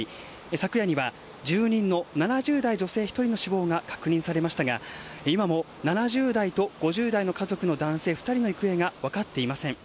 昨夜には住人の７０代女性１人の死亡が確認されましたが今も７０代と５０代の家族の男性２人の行方が分かっていません。